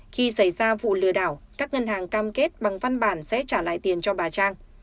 khi xảy ra vụ lừa đảo các ngân hàng cam kết bằng văn bản sẽ trả lại tiền cho bà trang